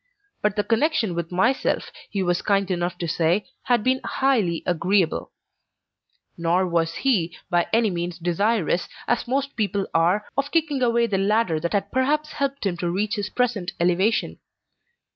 But the connection with myself, he was kind enough to say, had been highly agreeable; nor was he by any means desirous, as most people are, of kicking away the ladder that had perhaps helped him to reach his present elevation.